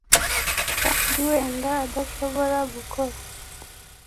kandi wenda adashobora gukora. ”